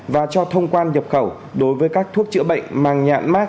và cho thông quan nhập khẩu đối với các thuốc chữa bệnh mang nhãn mát